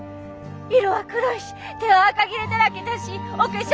色は黒いし手はあかぎれだらけじゃしお化粧